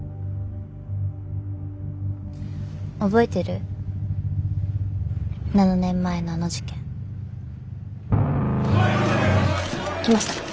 覚えてる？７年前のあの事件。来ました。